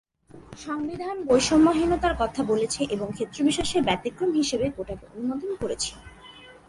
সংবিধান বৈষম্যহীনতার কথা বলেছে এবং ক্ষেত্রবিশেষে ব্যতিক্রম হিসেবে কোটাকে অনুমোদন করেছে।